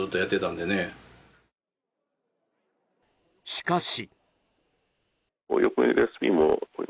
しかし。